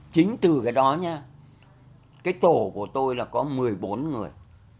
chính từ cái đó nha cái tổ của tôi là có một mươi bốn người